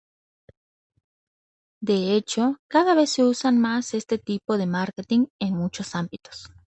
De hecho, cada vez se usa más este tipo de marketing en muchos ámbitos.